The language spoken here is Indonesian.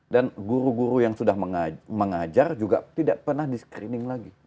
dan guru guru yang sudah mengajar juga tidak pernah di screening lagi